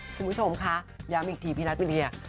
คุณผู้ชมคะย้ำอีกทีพี่นัทวิเดีย